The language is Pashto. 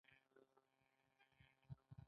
اله سای غرونه لوړ دي؟